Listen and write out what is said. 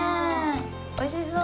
おいしそう。